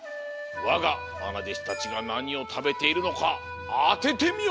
わがまなでしたちがなにをたべているのかあててみよ！